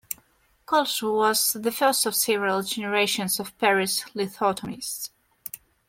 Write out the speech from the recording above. Colot was the first of several generations of Paris lithotomists.